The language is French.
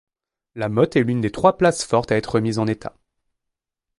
La Mothe est l'une des trois places fortes à être remise en état.